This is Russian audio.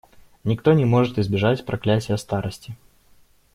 Никто не может избежать проклятия старости.